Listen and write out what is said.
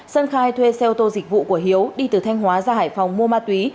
sơn khai thuê xe ô tô dịch vụ của hiếu đi từ thanh hóa ra hải phòng mua ma túy